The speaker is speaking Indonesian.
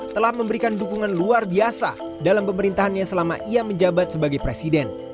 telah memberikan dukungan luar biasa dalam pemerintahannya selama ia menjabat sebagai presiden